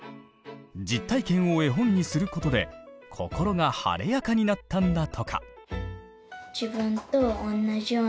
実体験を絵本にすることで心が晴れやかになったんだとか。